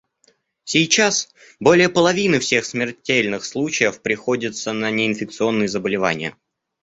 Сейчас более половины всех смертельных случаев приходится на неинфекционные заболевания.